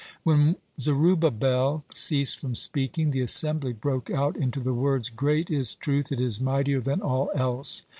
When Zerubbabel ceased from speaking, the assembly broke out into the words: "Great is truth, it is mightier than all else!"